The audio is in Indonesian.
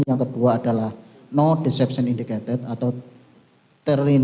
yang kedua adalah no deception indicated atau terindikasi jujur terus tidak kasih tindak keberbohongan